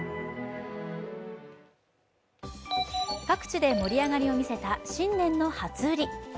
各地で盛り上がりを見せた新年の初売り。